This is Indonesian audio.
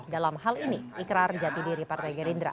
dalam hal ini ikrar jati diri partai gerindra